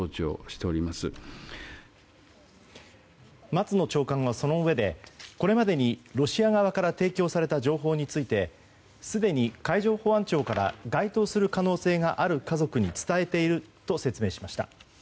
松野長官はそのうえでこれまでにロシア側から提供された情報についてすでに海上保安庁から該当する可能性がある家族に伝えていると説明しました。